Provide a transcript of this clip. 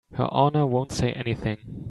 Her Honor won't say anything.